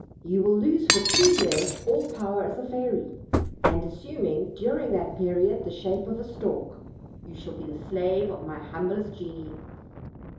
You will lose for two years all power as a fairy, and assuming during that period the shape of a stork, you shall be the slave of my humblest genii."